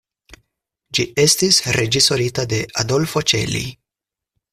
Ĝi estis reĝisorita de Adolfo Celi.